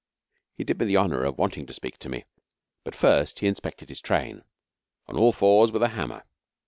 He did me the honour of wanting to speak to me, but first he inspected his train on all fours with a hammer.